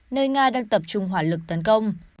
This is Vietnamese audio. nơi nga đang tập trung hỏa lực tấn công